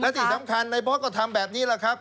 และที่สำคัญในบอสก็ทำแบบนี้แหละครับ